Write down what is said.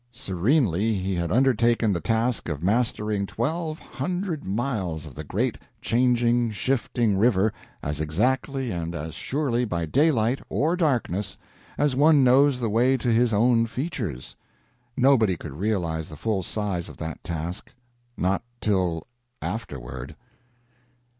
Serenely he had undertaken the task of mastering twelve hundred miles of the great, changing, shifting river as exactly and as surely by daylight or darkness as one knows the way to his own features. Nobody could realize the full size of that task not till afterward.